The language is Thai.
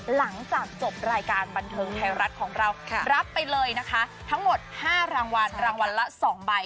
หลังจากจบรายการบันเทิงไทยรัฐของเรารับไปเลยนะคะทั้งหมด๕รางวัลรางวัลละ๒ใบ